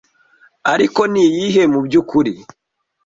ariko niyihe mu byukuri